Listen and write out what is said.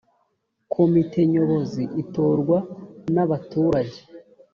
komite nyobozi itorwa nabaturage.